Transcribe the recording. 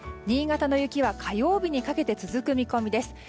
新潟の雪は火曜日にかけて続く見込みです。